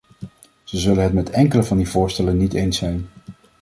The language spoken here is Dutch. Ze zullen het met enkele van die voorstellen niet eens zijn.